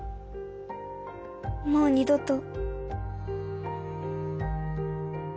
もう二どと。